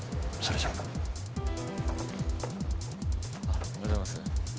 おはようございます。